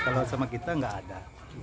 kalau sama kita nggak ada